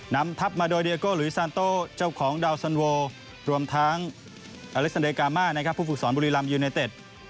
นำทับมาโดยเดียโกะหรือซานโต้เจ้าของดาวสันโวรวมทางอเล็กซันเดกามาร์ผู้ฝึกศรบุรีรัมย์ยูเนเจต